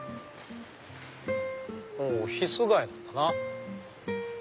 もうオフィス街なんだな。